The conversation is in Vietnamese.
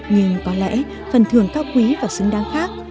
nhưng có lẽ phần thường cao quý và xứng đáng khác